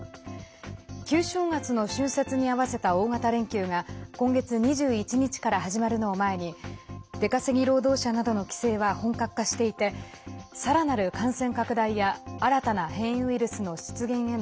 旧正月の春節に合わせた大型連休が今月２１日から始まるのを前に出稼ぎ労働者などの帰省は本格化していてさらなる感染拡大や新たな変異ウイルスの出現への